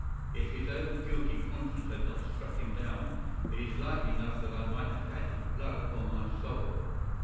If his own guilty conscience had not struck him down it is likely enough that I might have had his blood upon my soul.